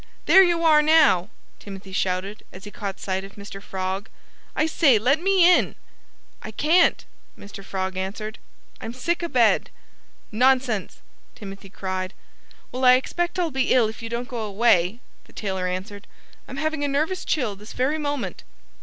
"There you are now!" Timothy shouted, as he caught sight of Mr. Frog. "I say, let me in!" "I can't," Mr. Frog answered. "I'm sick a bed." "Nonsense!" Timothy cried. "Well, I expect I'll be ill if you don't go away," the tailor answered. "I'm having a nervous chill this very moment."